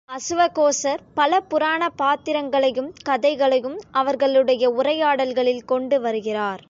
அசுவகோசர் பல புராணப் பாத்திரங்களையும் கதைகளையும் அவர்களுடைய உரையாடல்களில் கொண்டு வருகிறார்.